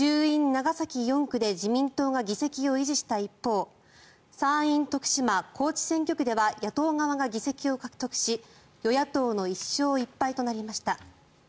長崎４区で自民党が議席を維持した一方参院徳島・高知選挙区では与党側が議席を獲得し与野党の１勝１敗となりました。